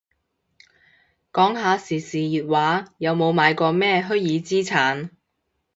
講下時事熱話，有冇買過咩虛擬資產